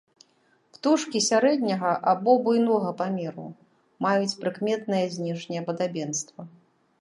Птушкі сярэдняга або буйнога памеру, маюць прыкметнае знешняе падабенства.